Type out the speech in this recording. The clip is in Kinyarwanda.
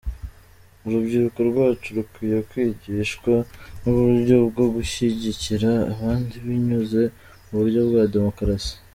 Urubyiruko rwacu rukwiye kwigishwa uburyo bwo gushyigikira abandi binyuze mu buryo bwa demokarasi.